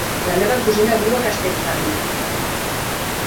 La meva cosina viu a Castellfabib.